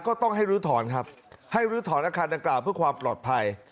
ก็ต้องให้ลื้อถอนครับให้ลื้อถอนอาคารดังกล่าวเพื่อความปลอดภัย